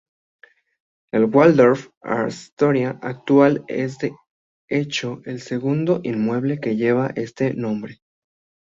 El Waldorf Astoria actual es de hecho el segundo inmueble que lleva este nombre.